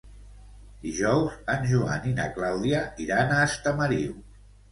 Dijous en Joan i na Clàudia iran a Estamariu.